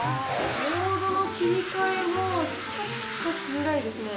モードの切り替えもちょっとしづらいですね。